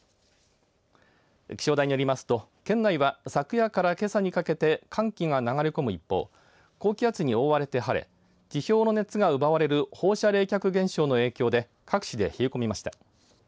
気象台によりますと県内は昨夜から、けさにかけて寒気が流れ込む一方高気圧に覆われて晴れ地表の熱が奪われる放射冷却現象の影響で各地で冷え込みました。